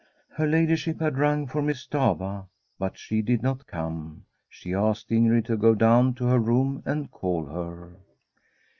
Her ladyship had rung for Miss Stafva, but she did not come. She asked Ingrid to go down to her room and call her.